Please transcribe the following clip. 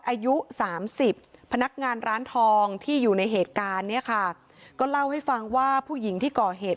อายุสามสิบพนักงานร้านทองที่อยู่ในเหตุการณ์เนี่ยค่ะก็เล่าให้ฟังว่าผู้หญิงที่ก่อเหตุ